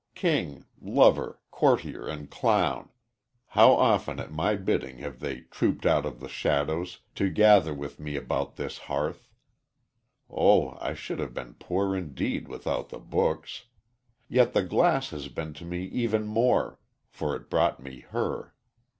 King, lover, courtier and clown how often at my bidding have they trooped out of the shadows to gather with me about this hearth! Oh, I should have been poor indeed without the books! Yet the glass has been to me even more, for it brought me her.